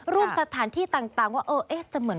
รูปสถานที่ต่างว่าเออจะเหมือน